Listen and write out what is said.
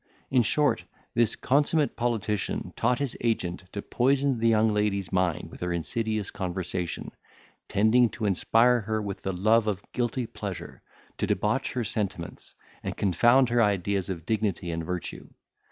In short, this consummate politician taught his agent to poison the young lady's mind with insidious conversation, tending to inspire her with the love of guilty pleasure, to debauch her sentiments, and confound her ideas of dignity and virtue.